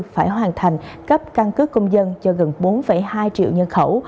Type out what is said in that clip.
công an tp hcm cấp căn cức công dân cho gần bốn hai triệu nhân khẩu